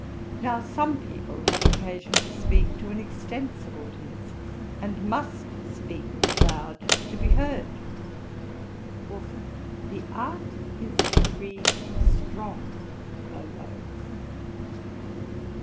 Now some people have occasion to speak to an extensive audience, and must speak loud to be heard.' WALKER. 'The art is to read strong, though low.'